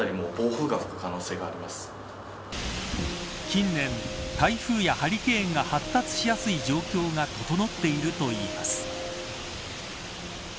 近年、台風やハリケーンが発達しやすい状況が整っているといいます。